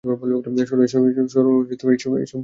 শোনো, এসব করার কোনো প্রয়োজন নেই, ঠিক আছে?